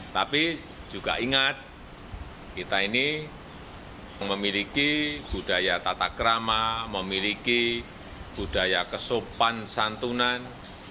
tapi juga ingat kita ini memiliki budaya tata kerama memiliki budaya kesopan santunan